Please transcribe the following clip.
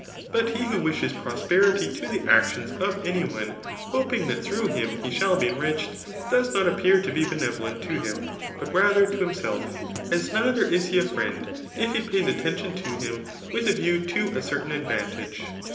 But he who wishes prosperity to the actions of any one, hoping that through him he shall t>e enriched, does not appear to be benevolent to htm, but rather to himself; as neither is he a friend if he pays attention to him with a view to a certain advan tage.